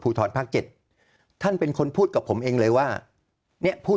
ทรภาค๗ท่านเป็นคนพูดกับผมเองเลยว่าเนี่ยพูด